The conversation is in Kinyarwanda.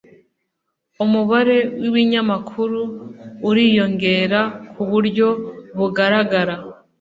umubare w'ibinyamakuru uriyongera ku buryo bugaragara